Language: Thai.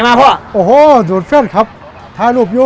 ชักครับไปไหนมาพ่อโอ้โหดูแฟนครับถ่ายรูปหโว่